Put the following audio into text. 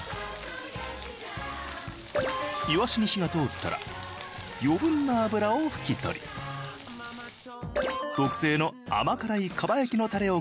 いわしに火が通ったら余分な油を拭き取り特製の甘辛い蒲焼きのタレを絡めて。